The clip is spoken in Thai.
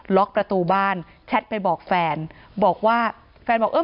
ล็อกประตูบ้านแชทไปบอกแฟนบอกว่าแฟนบอกเออ